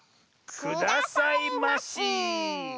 くださいまし。